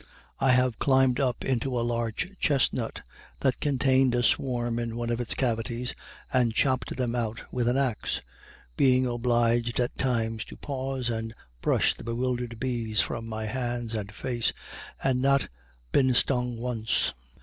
I have climbed up into a large chestnut that contained a swarm in one of its cavities and chopped them out with an ax, being obliged at times to pause and brush the bewildered bees from my hands and face, and not been stung once.